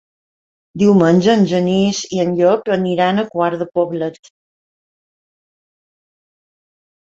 Diumenge en Genís i en Llop aniran a Quart de Poblet.